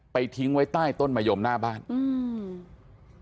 ทิ้งไว้ใต้ต้นมะยมหน้าบ้านอืม